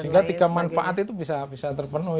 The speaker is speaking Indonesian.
sehingga tiga manfaat itu bisa terpenuhi